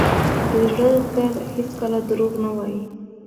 د زړه ږغ هېڅکله دروغ نه وایي.